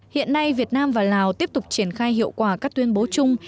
hiện nay việt nam và lào tiếp tục triển khai hiệu quả các tuyên bố chung